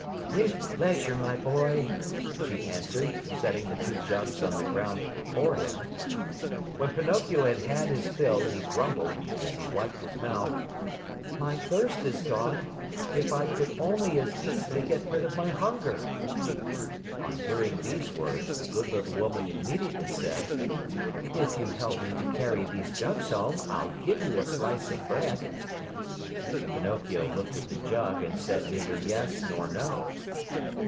"With pleasure, my boy!" she answered, setting the two jugs on the ground before him. When Pinocchio had had his fill, he grumbled, as he wiped his mouth: "My thirst is gone. If I could only as easily get rid of my hunger!" On hearing these words, the good little woman immediately said: "If you help me to carry these jugs home, I'll give you a slice of bread." Pinocchio looked at the jug and said neither yes nor no.